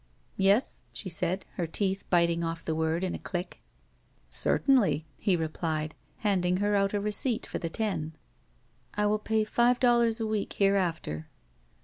"Yes," she said, her teeth biting off the word in a dick. 104 it BACK PAY *' Certainly/' he replied, handing her out a receipt for the ten. "I will pay five dollars a week hereafter."